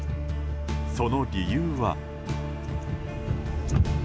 その理由は。